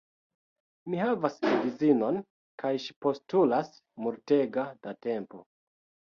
Mi havas edzinon kaj ŝi postulas multega da tempo